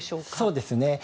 そうですね。